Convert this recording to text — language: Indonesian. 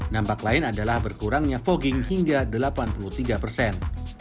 nampak lain adalah berkurangnya fogging hingga delapan puluh tiga persen